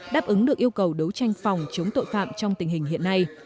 đáp ứng được yêu cầu đấu tranh phòng chống tội phạm trong tình hình hiện nay